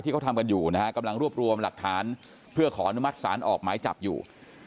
เขาทำกันอยู่นะฮะกำลังรวบรวมหลักฐานเพื่อขออนุมัติศาลออกหมายจับอยู่